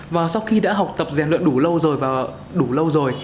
và sau khi đã học tập rèn luyện đủ lâu rồi và đủ lâu rồi